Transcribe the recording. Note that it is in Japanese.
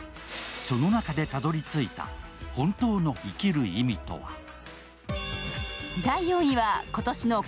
その中でたどりついた本当の生きる意味とは。